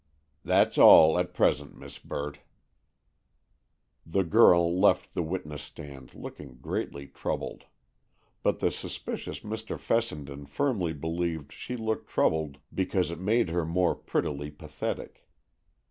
"That's all at present, Miss Burt." The girl left the witness stand looking greatly troubled. But the suspicious Mr. Fessenden firmly believed she looked troubled because it made her more prettily pathetic.